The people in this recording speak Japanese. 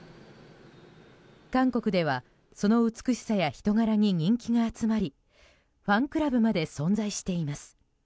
韓国ではその美しさや人柄に人気が集まりファンクラブまで存在しています。